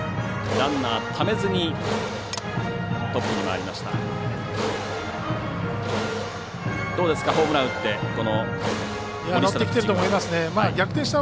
ランナーためずにトップに回りました。